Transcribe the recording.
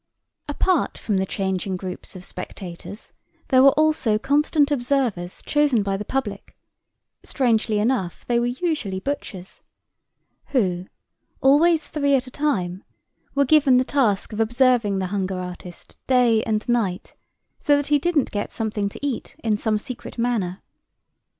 Apart from the changing groups of spectators there were also constant observers chosen by the public—strangely enough they were usually butchers—who, always three at a time, were given the task of observing the hunger artist day and night, so that he didn't get something to eat in some secret manner.